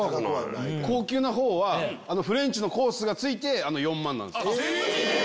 高級なほうはフレンチのコースが付いて４万なんすよ。